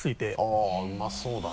はぁうまそうだね。